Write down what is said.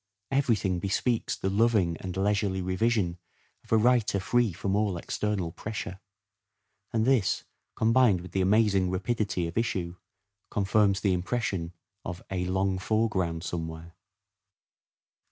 Every thing bespeaks the loving and leisurely revision of a writer free from all external pressure ; and this, combined with the amazing rapidity of issue, confirms the impression of " a long foreground somewhere."